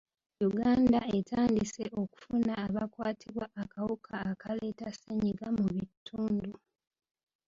Uganda etandise okufuna abakwatibwa akawuka akaleeta ssennyiga mu bitundu.